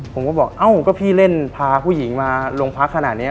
ผมก็บอกเอ้าก็พี่เล่นพาผู้หญิงมาโรงพักขนาดนี้